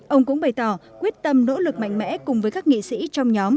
ông cũng bày tỏ quyết tâm nỗ lực mạnh mẽ cùng với các nghị sĩ trong nhóm